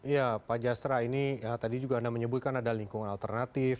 ya pak jasra ini tadi juga anda menyebutkan ada lingkungan alternatif